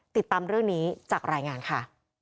ติดตามเรื่องนี้จากรายงานค่ะ